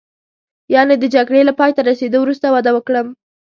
یعنې د جګړې له پایته رسېدو وروسته واده وکړم.